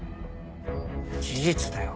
事実だよ。